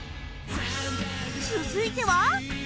続いては